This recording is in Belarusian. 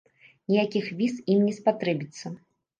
Ніякіх віз ім не спатрэбіцца.